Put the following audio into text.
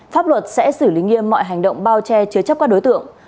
pháp luật sẽ xử lý nghiêm mọi hành động bao che chứa chấp các đối tượng